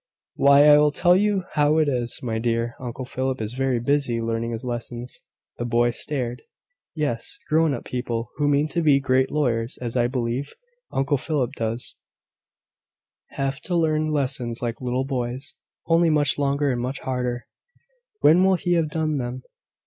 "Why, I will tell you how it is, my dear. Uncle Philip is very busy learning his lessons." The boy stared. "Yes: grown up people who mean to be great lawyers, as I believe Uncle Philip does, have to learn lessons like little boys, only much longer and much harder." "When will he have done them?"